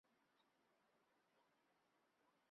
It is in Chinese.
最后用兵进攻。